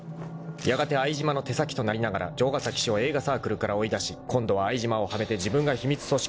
［やがて相島の手先となりながら城ヶ崎氏を映画サークルから追い出し今度は相島をはめて自分が秘密組織のトップに躍り出た］